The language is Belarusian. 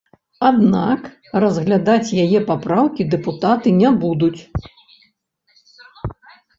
Аднак разглядаць яе папраўкі дэпутаты не будуць.